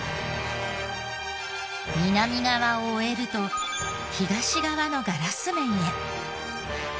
南側を終えると東側のガラス面へ。